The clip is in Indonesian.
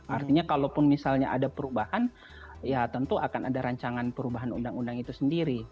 artinya kalaupun misalnya ada perubahan ya tentu akan ada rancangan perubahan undang undang itu sendiri